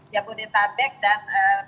jabodetabek dan jogja